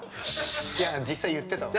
いや実際言ってたわ。